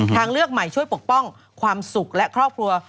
ทางเลือกใหม่ช่วยปกป้องความสุขและครอบครัว